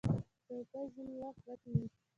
چوکۍ ځینې وخت غټې وي.